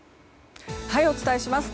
お伝えします。